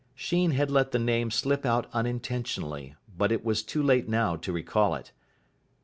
Sheen had let the name slip out unintentionally, but it was too late now to recall it.